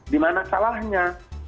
di mana salahnya